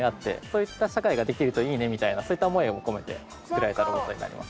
そういった社会ができるといいねみたいなそういった思いを込めて作られたロボットになります。